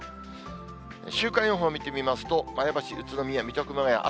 週間予報を見てみますと、前橋、宇都宮、水戸、熊谷。